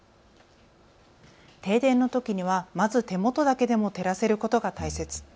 停電のときにはまず手元だけでも照らせることが大切。